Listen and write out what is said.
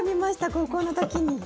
高校の時に。